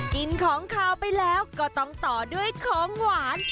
กินของขาวไปแล้วก็ต้องต่อด้วยของหวาน